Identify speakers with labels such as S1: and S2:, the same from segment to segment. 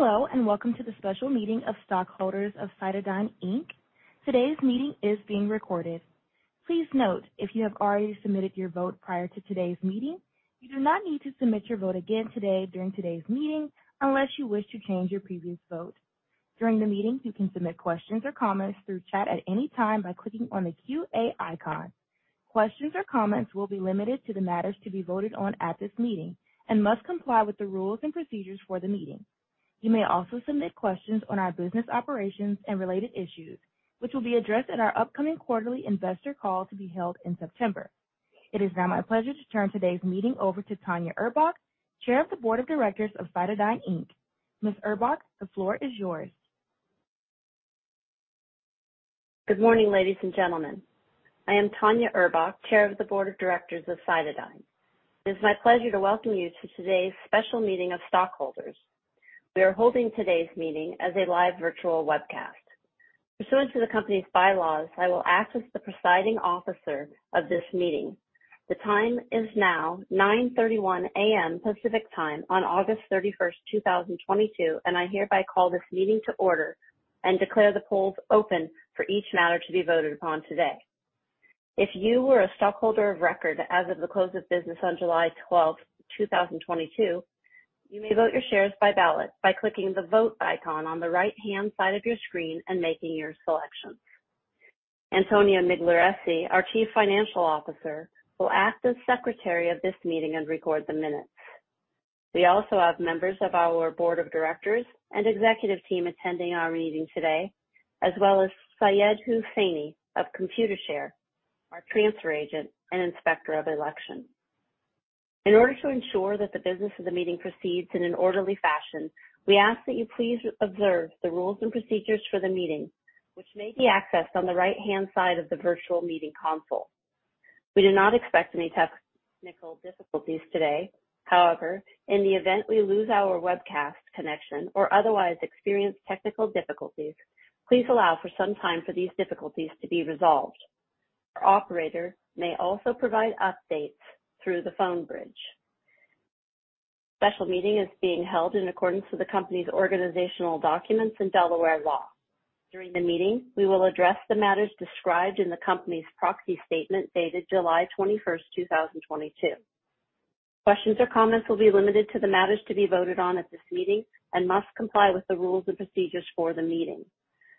S1: Hello and welcome to the special meeting of stockholders of CytoDyn IncIt is now my pleasure to turn today's meeting over to Tanya Durkee Urbach, Chair of the Board of Directors of CytoDyn Inc. Ms.Urbach, the floor is yours.
S2: Good morning, ladies and gentlemen. I am Tanya Durkee Urbach, Chair of the Board of Directors of CytoDyn. It is my pleasure to welcome you to today's special meeting of stockholders. We are holding today's meeting as a live virtual webcast. Pursuant to the company's bylaws, I will act as the presiding officer of this meeting. The time is now 9:31 A.M. Pacific Time on August thirty-first, two thousand and twenty-two, and I hereby call this meeting to order and declare the polls open for each matter to be voted upon today. If you were a stockholder of record as of the close of business on July twelfth, two thousand and twenty-two, you may vote your shares by ballot by clicking the Vote icon on the right-hand side of your screen and making your selections. Antonio Migliarese, our Chief Financial Officer, will act as Secretary of this meeting and record the minutes. We also have members of our Board of Directors and executive team attending our meeting today, as well as Syed Hussaini of Computershare, our transfer agent and inspector of election. In order to ensure that the business of the meeting proceeds in an orderly fashion, we ask that you please observe the rules and procedures for the meeting, which may be accessed on the right-hand side of the virtual meeting console. We do not expect any technical difficulties today. However, in the event we lose our webcast connection or otherwise experience technical difficulties, please allow for some time for these difficulties to be resolved. Our operator may also provide updates through the phone bridge. Special meeting is being held in accordance to the company's organizational documents and Delaware law. During the meeting, we will address the matters described in the company's proxy statement dated July 21st, 2022. Questions or comments will be limited to the matters to be voted on at this meeting and must comply with the rules and procedures for the meeting.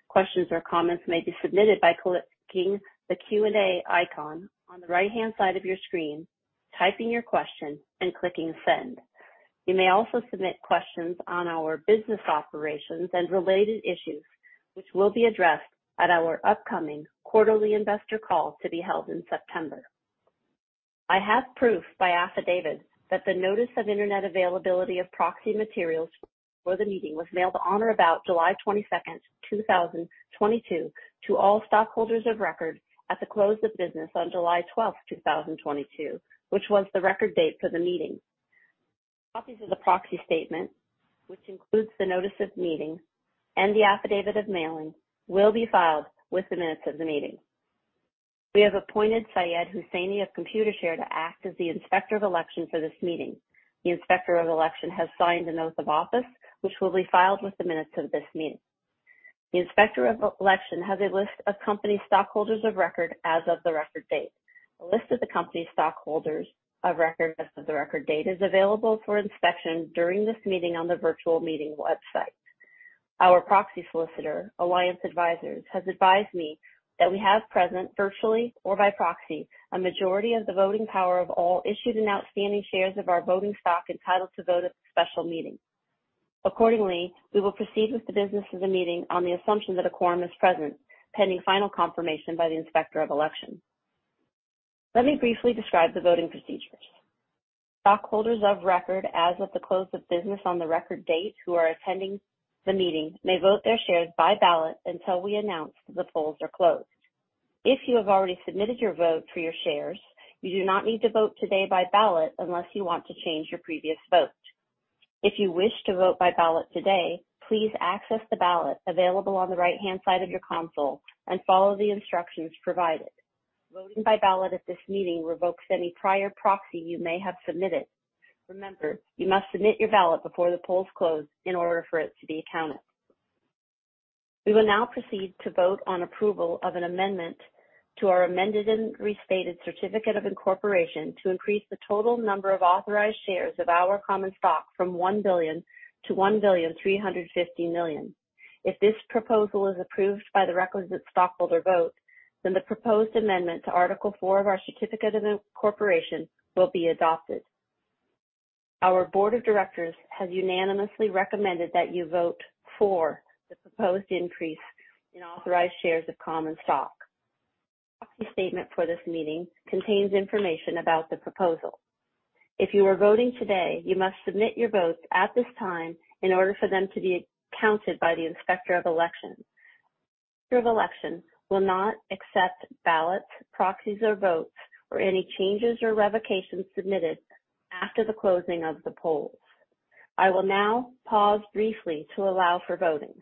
S2: Questions or comments may be submitted by clicking the Q&A icon on the right-hand side of your screen, typing your question, and clicking Send. You may also submit questions on our business operations and related issues, which will be addressed at our upcoming quarterly investor call to be held in September. I have proof by affidavit that the notice of Internet availability of proxy materials for the meeting was mailed on or about July 22, 2022 to all stockholders of record at the close of business on July 12, 2022, which was the record date for the meeting. Copies of the proxy statement, including the notice of meeting and the affidavit of mailing, will be filed with the meeting minutes.. We have appointed Syed Hussaini of Computershare to act as the Inspector of Election for this meeting. The Inspector of Election has signed an oath of office, which will be filed with the minutes of this meeting. The Inspector of Election has a list of company stockholders of record as of the record date. A list of the company stockholders of record as of the record date is available for inspection during this meeting on the virtual meeting website. Our proxy solicitor, Alliance Advisors, has advised me that we have present, virtually or by proxy, a majority of the voting power of all issued and outstanding shares of our voting stock entitled to vote at the special meeting. Accordingly, we will proceed with the business of the meeting on the assumption that a quorum is present, pending final confirmation by the Inspector of Election. Let me briefly describe the voting procedures. Stockholders of record as of the close of business on the record date who are attending the meeting may vote their shares by ballot until we announce the polls are closed. If you have already submitted your vote for your shares, you do not need to vote today by ballot unless you want to change your previous vote. If you wish to vote by ballot today, please access the ballot available on the right-hand side of your console and follow the instructions provided. Voting by ballot at this meeting revokes any prior proxy you may have submitted. Remember, you must submit your ballot before the polls close in order for it to be counted. We will now proceed to vote on approval of an amendment to our Amended and Restated Certificate of Incorporation to increase the total number of authorized shares of our common stock from 1 billion to 1.35 billion. If this proposal is approved by the requisite stockholder vote, then the proposed amendment to Article IV of our Certificate of Incorporation will be adopted. Our Board of directors has unanimously recommended that you vote for the proposed increase in authorized shares of common stock. The proxy statement for this meeting contains information about the proposal. If you are voting today, you must submit your vote at this time in order for it to be counted by the Inspector of Election. Inspector of Election will not accept ballots, proxies, or votes, or any changes or revocations submitted after the closing of the polls. I will now pause briefly to allow for voting.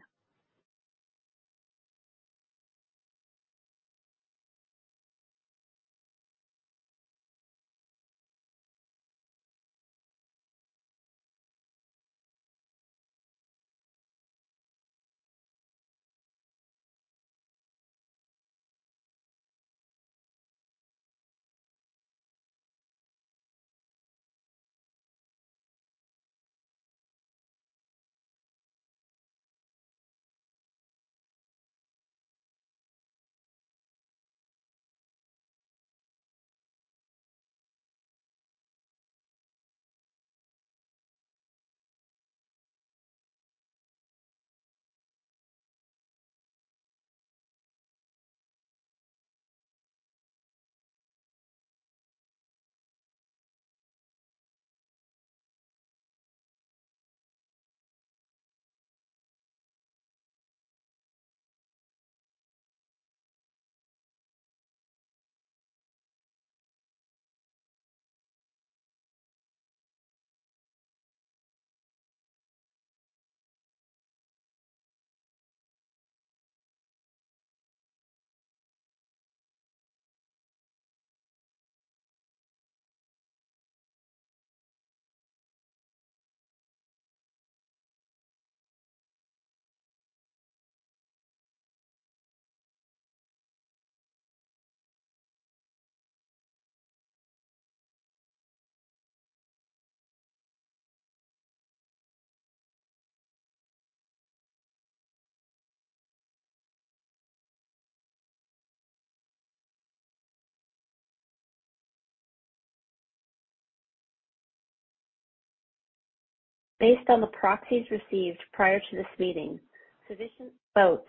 S2: Based on the proxies received prior to this meeting, sufficient votes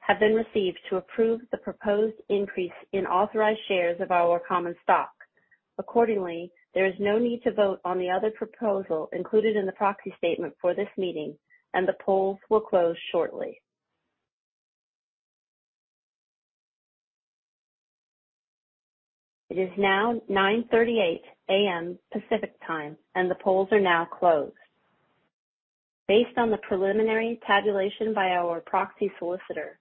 S2: have been received to approve the proposed increase in authorized shares of our common stock. Accordingly, there is no need to vote on the other proposal included in the proxy statement for this meeting, and the polls will close shortly. It is now 9:38 A.M. Pacific Time and the polls are now closed. Based on the preliminary tabulation by our proxy solicitor,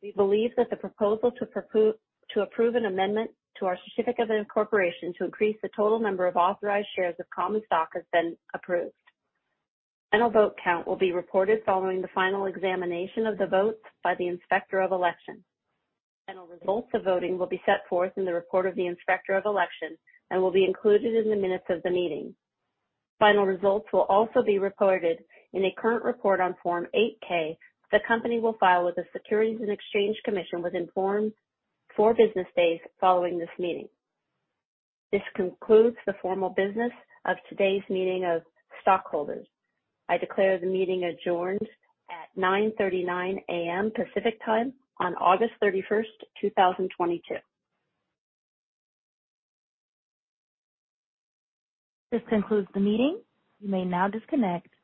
S2: we believe that the proposal to approve an amendment to our certificate of incorporation to increase the total number of authorized shares of common stock has been approved. Final vote count will be reported following the final examination of the votes by the Inspector of Election. Final results of voting will be set forth in the report of the Inspector of Election and will be included in the minutes of the meeting. Final results will also be reported in a current report on Form 8-K. The company will file with the Securities and Exchange Commission within four business days following this meeting. This concludes the formal business of today's meeting of stockholders. I declare the meeting adjourned at 9:39 A.M. Pacific Time on August 31, 2022. This concludes the meeting. You may now disconnect.